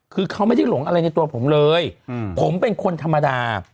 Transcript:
คือเขาไม่ได้หลงอะไรในตัวผมเลยผมเป็นคนธรรมดา